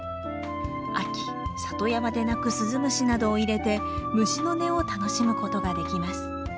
秋里山で鳴くスズムシなどを入れて虫の音を楽しむことができます。